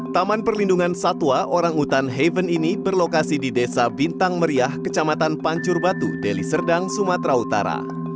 taman perlindungan satwa orangutan haven ini berlokasi di desa bintang meriah kecamatan pancur batu deliserdang sumatera utara